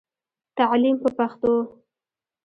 تعليم په پښتو.